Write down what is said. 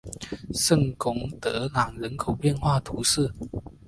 圣贡德朗人口变化图示